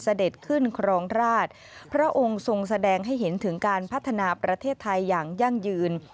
เสด็จขึ้นครองราชพระองค์ทรงแสดงให้เห็นถึงการพัฒนาประเทศไทยอย่างยั่งยืน